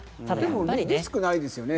でもリスクないですよね